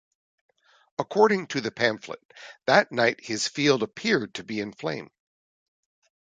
According to the pamphlet, that night his field appeared to be in flame.